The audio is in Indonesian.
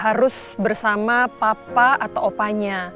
harus bersama papa atau opanya